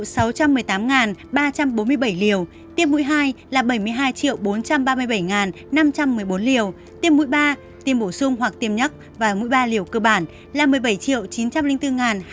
trong đó tiêm mũi một là bảy mươi tám sáu trăm một mươi tám ba trăm bốn mươi bảy liều tiêm mũi hai là bảy mươi hai bốn trăm ba mươi bảy năm trăm một mươi bốn liều tiêm mũi ba tiêm bổ sung hoặc tiêm nhắc và mũi ba liều cơ bản là một mươi bảy chín trăm linh bốn hai trăm năm mươi năm liều